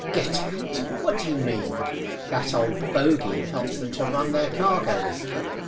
"Get out! What do you mean? That old Bogey helps them to run their cargoes?"